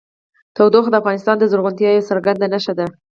تودوخه د افغانستان د زرغونتیا یوه څرګنده نښه ده.